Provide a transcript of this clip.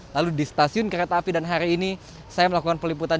lalu di stasiun kereta api dan hari ini saya melakukan peliputan